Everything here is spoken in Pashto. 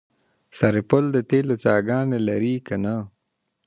سرپل د تیلو څاګانې لري که نه؟